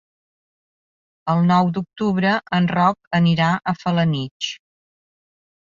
El nou d'octubre en Roc anirà a Felanitx.